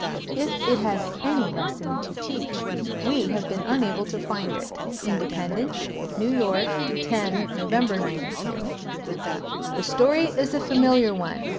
"If it has any lesson to teach, we have been unable to find it." Independent, New York, 10 Nov. '92. "The story is a familiar one."